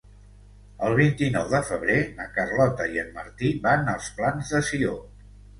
El vint-i-nou de febrer na Carlota i en Martí van als Plans de Sió.